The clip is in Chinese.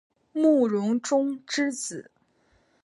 慕容忠之子。